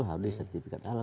harus sertifikat halal